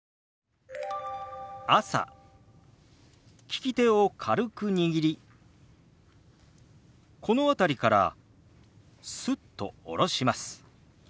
利き手を軽く握りこの辺りからスッと下ろします。